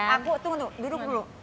aku tunggu duduk dulu